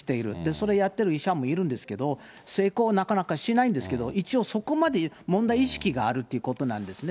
それやってる医者もいるんですけど、成功はなかなかしないんですけど、一応そこまで問題意識があるってことなんですね。